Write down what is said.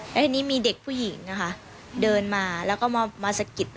แล้วทีนี้มีเด็กผู้หญิงนะคะเดินมาแล้วก็มาสะกิด